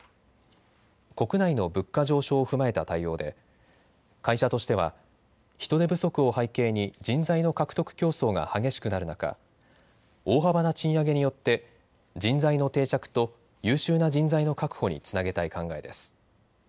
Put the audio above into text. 国内の物価上昇を踏まえた対応で会社としては人手不足を背景に人材の獲得競争が激しくなる中、大幅な賃上げによって人材の定着と優秀な人材の確保につなげたい考えです。